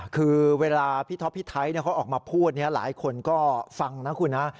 คือเวลาพี่ท็อปพี่ไทยเขาออกมาพูดหลายคนก็ฟังนะคุณนะ